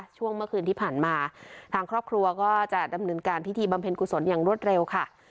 ช่วงเมื่อคืนที่ผ่านมาทางครอบครัวก็จะดำเนินการพิธีบำเพ็ญกุศลอย่างรวดเร็วค่ะ